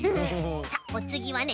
さあおつぎはね